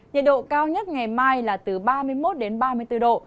nhiệt độ cao nhất ngày mai là từ ba mươi một đến ba mươi bốn độ